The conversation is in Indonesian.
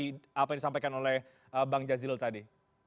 apa yang disampaikan oleh bang jazilul tadi